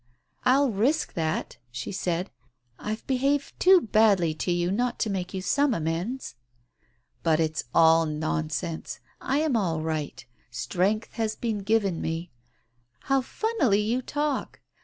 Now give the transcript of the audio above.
"I'll risk that," she said. "I've behaved too badly to you not to make you some amends." "But it's all nonsense. I am all right. Strength has been given me " "How funnily you talk!